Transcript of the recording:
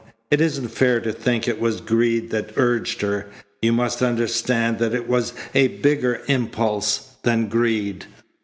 It isn't fair to think it was greed that urged her. You must understand that it was a bigger impulse than greed.